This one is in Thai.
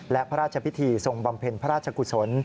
และพระราชพิธีทรงบำเพ็ญพระราชกุศล